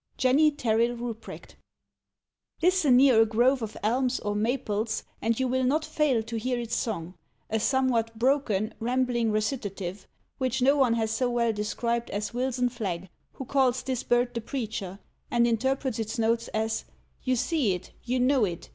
JENNY TERRILL RUPRECHT. Listen near a grove of elms or maples and you will not fail to hear its song, a some what broken, rambling recitative, which no one has so well described as Wilson Flagg, who calls this bird the preacher, and interprets its notes as "_You see it! You know it!